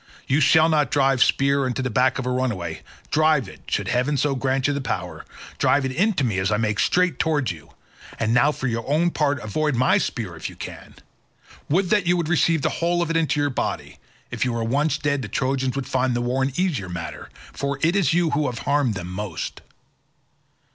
You shall not drive your spear into the back of a runaway—drive it, should heaven so grant you power, drive it into me as I make straight towards you; and now for your own part avoid my spear if you can—would that you might receive the whole of it into your body; if you were once dead the Trojans would find the war an easier matter, for it is you who have harmed them most."